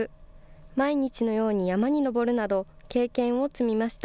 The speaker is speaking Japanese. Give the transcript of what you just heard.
毎日のように山に登るなど、経験を積みました。